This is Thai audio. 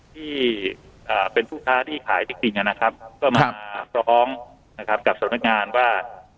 ที่เป็นผู้ค้าที่ขายจริงนะครับก็มาฟ้องนะครับกับสำนักงานว่า